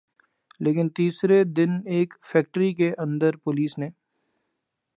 لیکن تیسرے دن ایک فیکٹری کے اندر پولیس نے